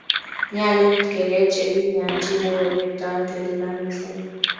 nyalun ke ker che kikianchine koKiptooon kelipan mising